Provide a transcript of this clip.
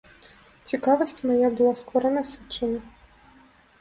Цікавасць мая была скора насычана.